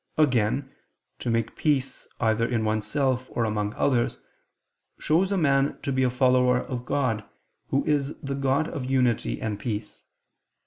Again, to make peace either in oneself or among others, shows a man to be a follower of God, Who is the God of unity and peace.